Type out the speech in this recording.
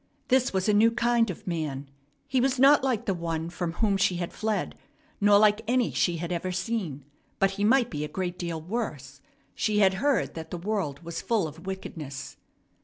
This was a new kind of man. He was not like the one from whom she had fled, nor like any she had ever seen; but he might be a great deal worse. She had heard that the world was full of wickedness.